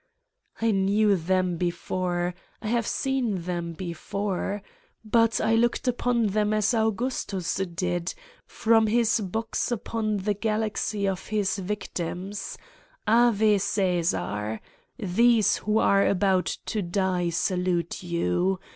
I knew them before. I have seen them before. But I looked upon them as Augustus did from his box upon the galaxy of his victims: Ave, Caesar! These who are about to die salute you.